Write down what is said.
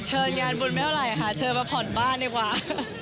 เชิญงานบุญไม่เท่าไหร่ค่ะเชิญมาผ่อนบ้านดีกว่า